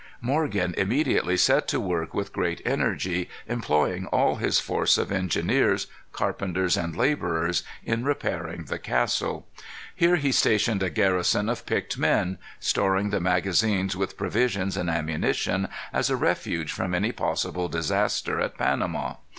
Morgan immediately set to work with great energy, employing all his force of engineers, carpenters, and laborers in repairing the castle. Here he stationed a garrison of picked men, storing the magazines with provisions and ammunition, as a refuge from any possible disaster at Panama.